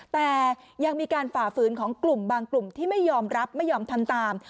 แต่ยังมีการฝ่าฝืนของกลุ่มบางกลุ่มที่ไม่ยอมรับไม่ยอมทำตาม